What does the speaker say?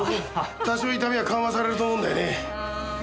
多少痛みは緩和されると思うんだよね。